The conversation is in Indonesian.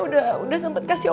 ok terima kasih